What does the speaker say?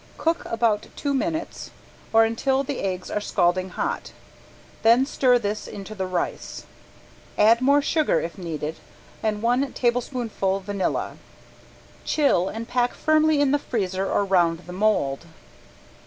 Cook about two minutes, or until the eggs are scalding hot, then stir this into the rice. Add more sugar, if needed, and one tablespoonful vanilla. Chill and pack firmly in the freezer or round the mold.